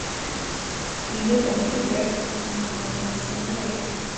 Ni nde Dawidi Blunkett Umunyamabanga yasimbuye